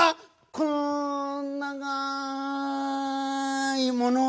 このながーいものは⁉